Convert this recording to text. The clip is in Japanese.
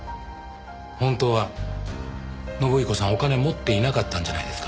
本当は信彦さんお金持っていなかったんじゃないですか？